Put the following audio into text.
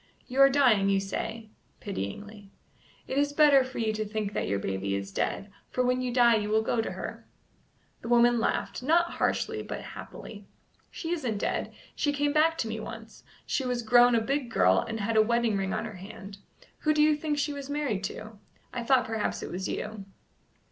"You are dying, you say" pityingly. "It is better for you to think that your baby is dead, for when you die you will go to her." The woman laughed, not harshly, but happily. "She isn't dead. She came back to me once. She was grown a big girl, and had a wedding ring on her hand. Who do you think she was married to? I thought perhaps it was you."